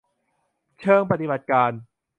เชิงปฏิบัติการ